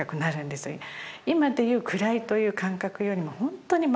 今でいう暗いという感覚よりもホントに真っ暗。